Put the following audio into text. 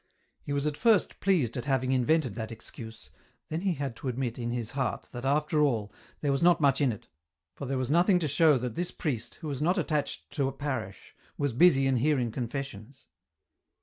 He was at first pleased at having invented that excuse, then he had to admit in his heart that, after all, there was not much in it, for there was nothing to show that this priest, who was not attached to a parish, was busy in hearing confessions.